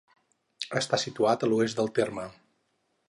Està situat a l'oest del terme.